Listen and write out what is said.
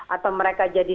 atau mereka jadi